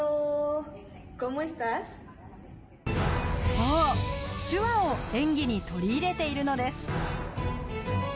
そう、手話を演技に取り入れているのです。